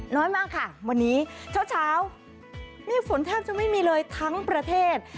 น้อยมากค่ะวันนี้เช้านี่ฝนแทบจะไม่มีเลยทั้งประเทศ